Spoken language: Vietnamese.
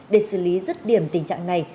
để xử lý rứt điểm tình trạng này